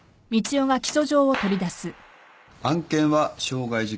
案件は傷害事件。